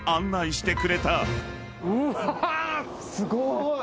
すごーい！